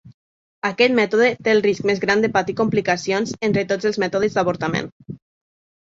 Aquest mètode té el risc més gran de patir complicacions entre tots els mètodes d'avortament.